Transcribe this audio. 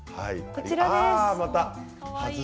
こちらです。